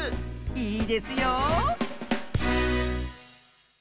いいですよ。